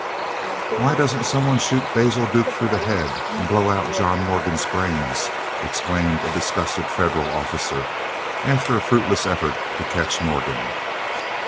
"Why don't some one shoot Basil Duke through the head, and blow out John Morgan's brains?" exclaimed a disgusted Federal officer, after a fruitless effort to catch Morgan.